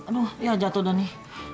aduh ya jatuh udah nih